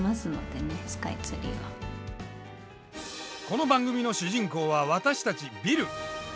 この番組の主人公は私たちビル。